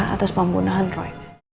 atas pembunuhan roy